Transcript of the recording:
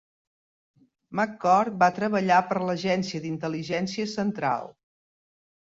McCord va treballar per l"Agència d"Intel·ligència Central.